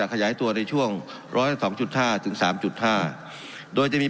ขยายตัวในช่วงร้อยสามจุดห้าถึงสามจุดห้าโดยจะมี